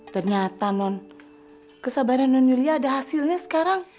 ternyata non kesabaran non yulia ada hasilnya sekarang